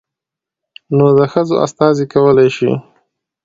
نود ښځو استازي کولى شي.